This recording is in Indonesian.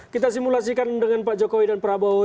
kita simulasikan dengan pak jokowi dan prabowo